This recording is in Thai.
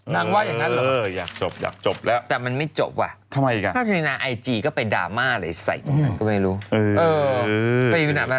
นางว่าอย่างนั้นหรอแต่มันไม่จบอ่ะถ้าเป็นอิจีย์ก็ไปดราม่าอะไรใส่กันก็ไม่รู้